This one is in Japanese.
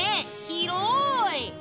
広い！